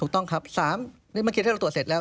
ถูกต้องครับ๓นี่เมื่อกี้ถ้าเราตรวจเสร็จแล้ว